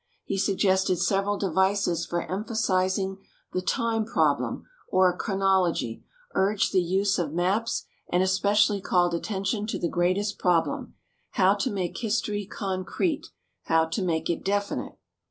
He suggested several devices for emphasizing the "time" problem, or chronology, urged the use of maps, and especially called attention to the greatest problem, how to make history concrete, how to make it definite.